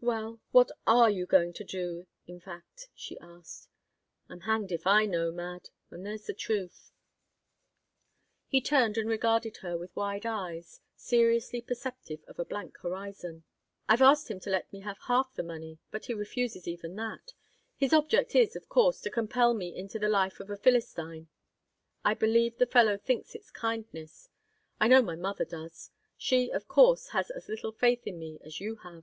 "Well, and what are you going to do, in fact?" she asked. "I'm hanged if I know, Mad; and there's the truth." He turned and regarded her with wide eyes, seriously perceptive of a blank horizon. "I've asked him to let me have half the money, but he refuses even that. His object is, of course, to compel me into the life of a Philistine. I believe the fellow thinks it's kindness; I know my mother does. She, of course, has as little faith in me as you have."